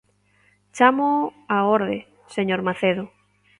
Chámoo á orde, señor Macedo.